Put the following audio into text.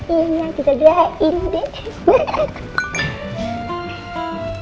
iya kita juga ini deh